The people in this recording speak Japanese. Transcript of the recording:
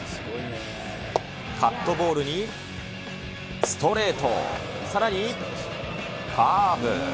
カットボールに、ストレート、さらに、カーブ。